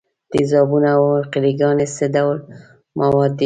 تیزابونه او القلې ګانې څه ډول مواد دي؟